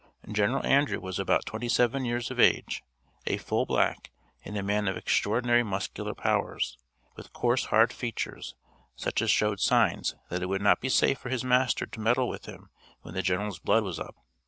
General Andrew was about twenty seven years of age, a full black, and a man of extraordinary muscular powers, with coarse hard features, such as showed signs that it would not be safe for his master to meddle with him when the General's blood was up.